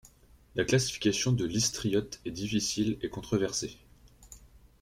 La classification de l'istriote est difficile et controversée.